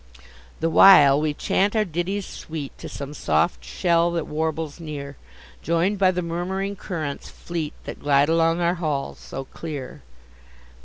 The while we chant our ditties sweet To some soft shell that warbles near; Join'd by the murmuring currents, fleet, That glide along our halls so clear.